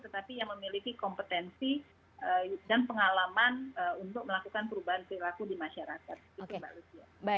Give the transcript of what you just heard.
tetapi yang memiliki kompetensi dan pengalaman untuk melakukan perubahan perilaku di masyarakat mbak lucia